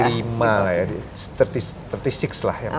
tiga puluh enam lah yang paling